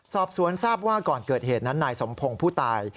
สอบสวนทราบว่าก่อนเกิดเหตุนั้นนายสมพงศ์ผู้ตาย